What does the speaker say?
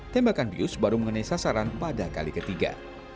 tembakan bius baru mengenai sasaran pada kali ketiga